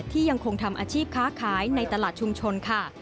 ยังคงทำอาชีพค้าขายในตลาดชุมชนค่ะ